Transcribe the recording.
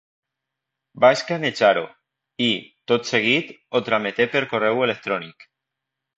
Va escanejar-ho i, tot seguit, ho trameté per correu electrònic.